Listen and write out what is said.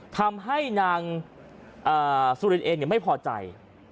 ทำให้นางสุรินเองไม่พอใจ